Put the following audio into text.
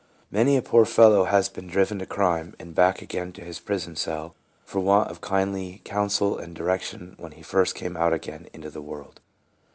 Many a poor fellow has been driven to crime, and back again to his prison cell, for want of kindly counsel and direc tion when he first came out again into the world.